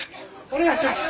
お願いします。